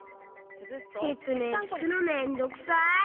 せつめいきくのめんどくさい。